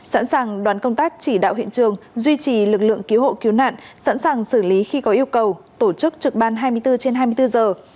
sẵn sàng đoàn công tác chỉ đạo hiện trường duy trì lực lượng cứu hộ cứu nạn sẵn sàng xử lý khi có yêu cầu tổ chức trực ban hai mươi bốn trên hai mươi bốn giờ